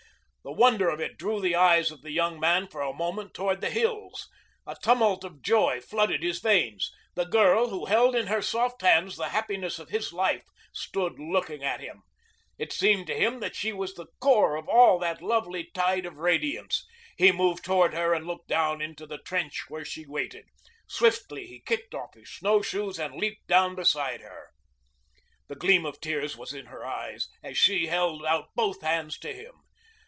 The wonder of it drew the eyes of the young man for a moment toward the hills. A tumult of joy flooded his veins. The girl who held in her soft hands the happiness of his life stood looking at him. It seemed to him that she was the core of all that lovely tide of radiance. He moved toward her and looked down into the trench where she waited. Swiftly he kicked off his snowshoes and leaped down beside her. The gleam of tears was in her eyes as she held out both hands to him.